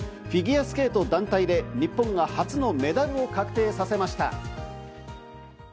フィギュアスケート団体で日本が初のメダルを確定させました。